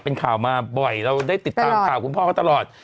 เป็นข่าวมาบ่อยเราได้ติดตามข่าวคุณพ่อเขาตลอด